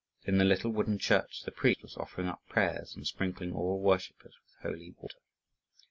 In the little wooden church the priest was offering up prayers and sprinkling all worshippers with holy water.